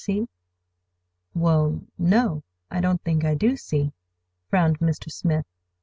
See?" "Well, no,—I don't think I do see," frowned Mr. Smith.